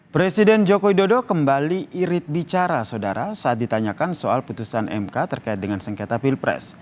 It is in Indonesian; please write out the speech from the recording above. presiden joko widodo kembali irit bicara saudara saat ditanyakan soal putusan mk terkait dengan sengketa pilpres